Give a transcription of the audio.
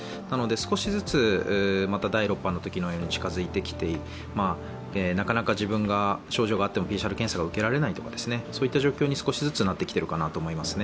少しずつ、また第６波のときのように近づいてきてなかなか自分が症状があってもＰＣＲ検査が受けられないとか、そういった状況に少しずつなってきているかなと思います。